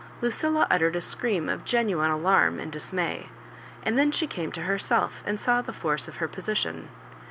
Lucilla uttered a scream of genuine alarm and dismay ; and then she came to herself, and saw the force of her position.